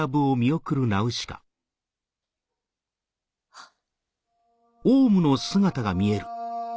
あっ。